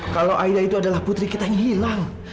kalau ayah itu adalah putri kita yang hilang